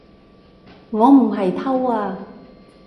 我唔係偷啊